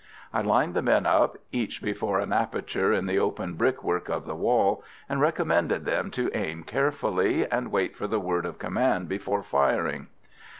I lined the men up, each before an aperture in the open brickwork of the wall, and recommended them to aim carefully, and wait for the word of command before firing.